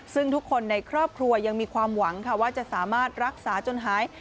ซึ่งทุกคนในครอบครัวยังมีความหวังค่ะว่าจะสามารถรักษาจนหาย